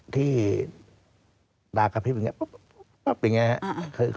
ที่ตากระพริบอย่างนี้ป๊อบอย่างนี้ครับ